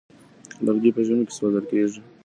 لرګي په ژمي کې سوزول کيږي.